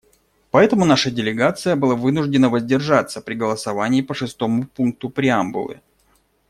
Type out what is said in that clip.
Поэтому наша делегация была вынуждена воздержаться при голосовании по шестому пункту преамбулы.